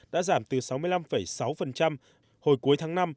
đã giảm từ sáu mươi năm sáu hồi cuối tháng năm